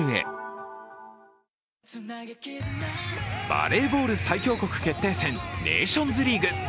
バレーボール最強国決定戦ネーションズリーグ。